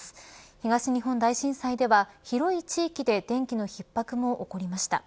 東日本大震災では、広い地域で電機の逼迫も起こりました。